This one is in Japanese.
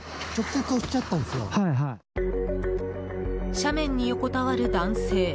斜面に横たわる男性。